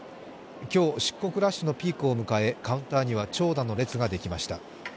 今日出国ラッシュのピークを迎え、カウンターには長蛇の列ができました。